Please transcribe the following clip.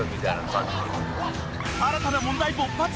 新たな問題勃発。